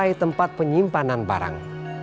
dan juga tempat penyimpanan barang